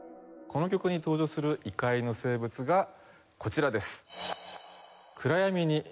この曲に登場する異界の生物がこちらです。